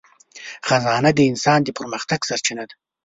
خزانه د انسان د پرمختګ سرچینه ده.